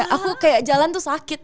aku kayak jalan tuh sakit